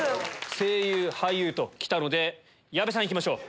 声優俳優ときたので矢部さんいきましょう。